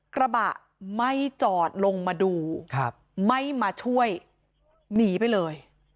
กระบะไม่จอดลงมาดูไม่มาช่วยหนีไปเลย